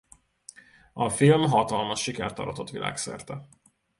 A film hatalmas sikert aratott világszerte.